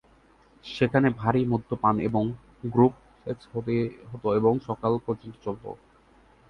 সেখানে "ভারী মদ্যপান" এবং গ্রুপ সেক্স হত এবং সকাল পর্যন্ত চলত।